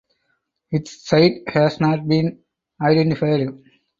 Its site has not been identified.